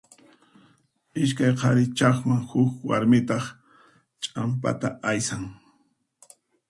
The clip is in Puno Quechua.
Iskay qhari chaqman, huk warmitaq ch'ampata aysan.